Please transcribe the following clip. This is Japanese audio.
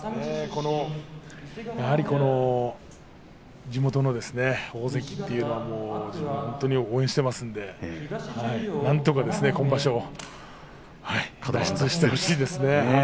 やはり地元のですね大関というのは自分は本当に応援していますのでなんとか今場所カド番脱出してほしいですね。